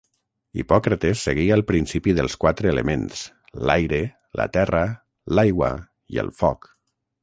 Hipòcrates seguia el principi dels quatre elements: l'aire, la terra, l'aigua i el foc.